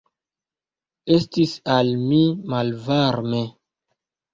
Estis al mi malvarme.